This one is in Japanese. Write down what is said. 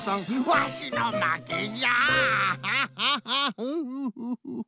ワシのまけじゃ！